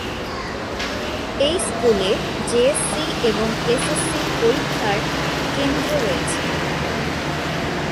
এই স্কুলে জেএসসি এবং এসএসসি পরীক্ষার কেন্দ্র রয়েছে।